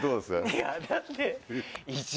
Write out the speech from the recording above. いやだって。